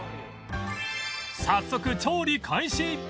早速調理開始！